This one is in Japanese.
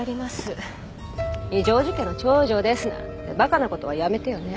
「二条路家の長女です」なんてバカなことはやめてよね。